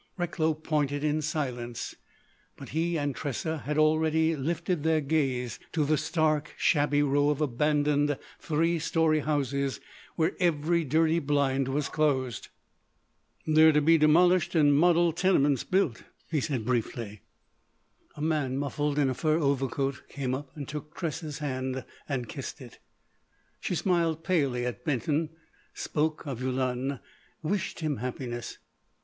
Recklow pointed in silence, but he and Tressa had already lifted their gaze to the stark, shabby row of abandoned three story houses where every dirty blind was closed. "They're to be demolished and model tenements built," he said briefly. A man muffled in a fur overcoat came up and took Tressa's hand and kissed it. She smiled palely at Benton, spoke of Yulun, wished him happiness.